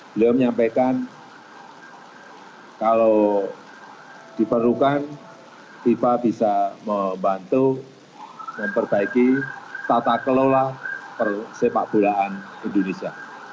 beliau menyampaikan kalau diperlukan viva bisa membantu memperbaiki tata kelola persepakbolaan indonesia